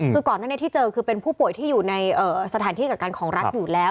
คือก่อนหน้านี้ที่เจอคือเป็นผู้ป่วยที่อยู่ในสถานที่กักกันของรัฐอยู่แล้ว